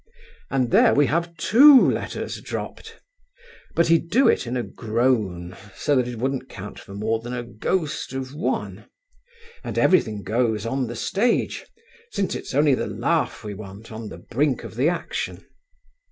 And there we have two letters dropped. But he'd do it in a groan, so that it wouldn't count for more than a ghost of one; and everything goes on the stage, since it's only the laugh we want on the brink of the action.